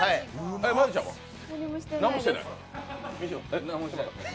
えっ、何もしてない。